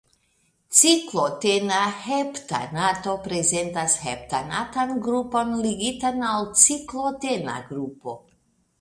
Ciklotena heptanato prezentas heptanatan grupon ligitan al ciklotena grupo.